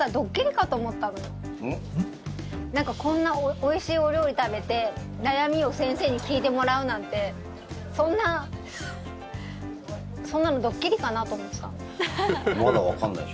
こんなおいしいお料理食べて悩みを先生に聞いてもらうなんてそんなそんなのドッキリかなと思ってた。